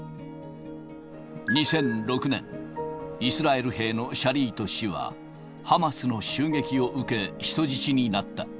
２００６年、イスラエル兵のシャリート氏は、ハマスの襲撃を受け、人質になった。